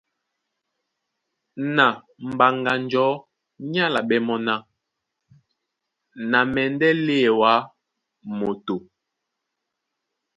Na Mbaŋganjɔ̌ ní álaɓɛ́ ná : Na mɛndɛ́ léɛ wǎ moto.